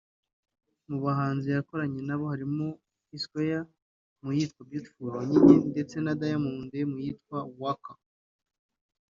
Mu bahanzi yakoranye na bo harimo P Square mu yitwa ’Beautiful Onyinye’ ndetse na Diamond mu yitwa ’Waka’